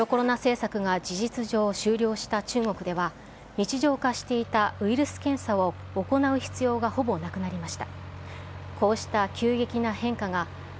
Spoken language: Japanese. きのうゼロコロナ政策が事実上、終了した中国では、日常化していたウイルス検査を行う必要がほぼなくなりました。